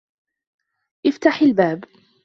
افتح الباب.